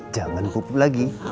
jangan pupuk lagi